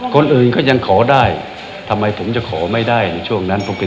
คนอื่นก็ยังขอได้ทำไมผมจะขอไม่ได้ในช่วงนั้นผมเป็น